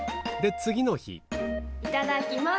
いただきます。